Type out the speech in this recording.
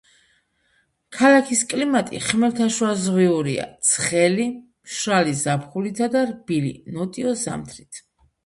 ქალაქის კლიმატი ხმელთაშუაზღვიურია, ცხელი, მშრალი ზაფხულითა და რბილი, ნოტიო ზამთრით.